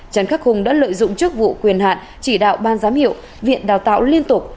trần khắc hùng đã lợi dụng chức vụ quyền hạn chỉ đạo ban giám hiệu viện đào tạo liên tục